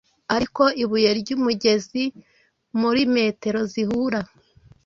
Ariko ibuye ry'umugezi muri metero zihura: